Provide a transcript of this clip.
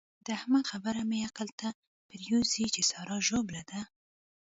د احمد خبره مې عقل ته پرېوزي چې سارا ژوبله ده.